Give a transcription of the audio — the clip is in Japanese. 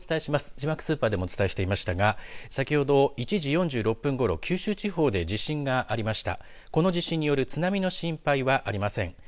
字幕スーパーでもお伝えしましたが先ほど１時４６分ごろ九州地方で地震がありました。